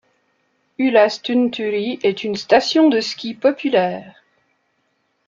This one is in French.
Yllästunturi est une station de ski populaire.